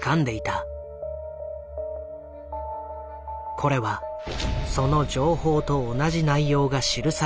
これはその情報と同じ内容が記されたリスト。